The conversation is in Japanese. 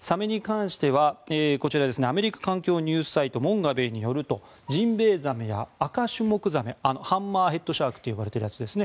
サメに関してはアメリカ環境ニュースサイトモンガベイによりますとジンベエザメやアカシュモクザメハンマーヘッドシャークと呼ばれているやつですね。